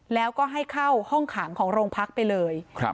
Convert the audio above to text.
แล้วก็ให้เข้าห้องขังของโรงพักไปเลย